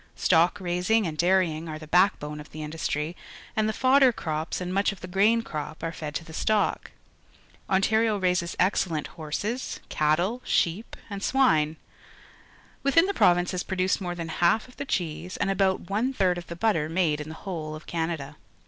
_Stock raising and dairying are the backbone of the industiy, and the fodder crops and much of the grain crop are fed to the stock. Ontario raises excellent horses, cattle, sheep, and swine. Within the province is produced more than half of the cheese and about one third of the butter made in the whole of Canada.